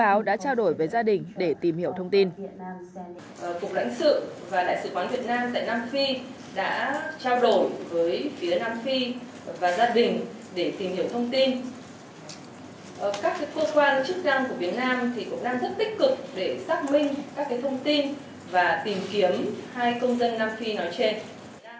các cơ quan chức năng của việt nam cũng đang rất tích cực để xác minh các thông tin và tìm kiếm hai công dân nam phi nói trên